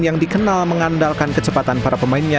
yang dikenal mengandalkan kecepatan para pemainnya